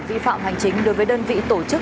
vi phạm hành chính đối với đơn vị tổ chức